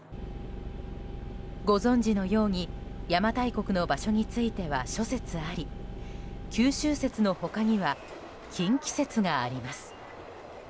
ご存じのように、邪馬台国の場所については諸説あり九州説の他には近畿説があります。